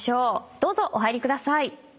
どうぞお入りください。